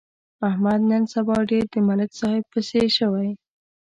احمد نن سبا ډېر د ملک صاحب پسې شوی.